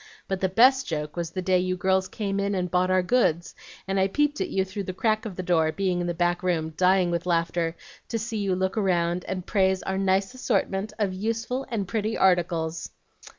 But the best joke was the day you girls came in and bought our goods, and I peeped at you through the crack of the door, being in the back room dying with laughter to see you look round, and praise our 'nice assortment of useful and pretty articles.'"